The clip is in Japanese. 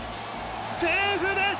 セーフです。